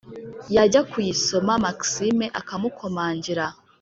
yajya kuyisoma maxime akamukomangira,